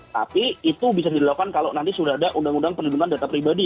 tapi itu bisa dilakukan kalau nanti sudah ada undang undang perlindungan data pribadi